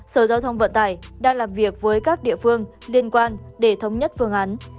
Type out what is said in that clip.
sở giao thông vận tải đang làm việc với các địa phương liên quan để thống nhất phương án